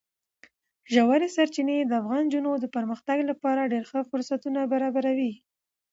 ژورې سرچینې د افغان نجونو د پرمختګ لپاره ډېر ښه فرصتونه برابروي.